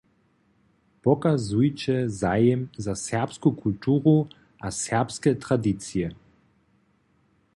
Pokazujće zajim za serbsku kulturu a serbske tradicije.